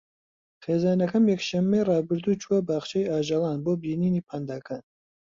خێزانەکەم یەکشەممەی ڕابردوو چوونە باخچەی ئاژەڵان بۆ بینینی پانداکان.